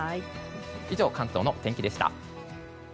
以上、関東のお天気でした。